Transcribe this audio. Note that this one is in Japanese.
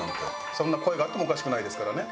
そんな声があってもおかしくないですからね。